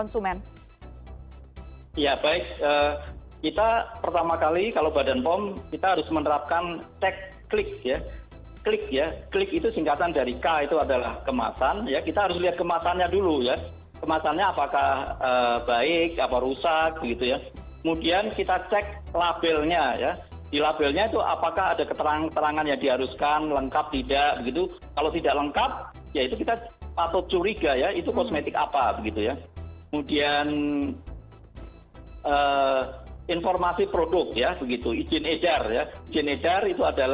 oke sepertinya kita